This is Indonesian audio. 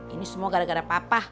ini semua gara gara papah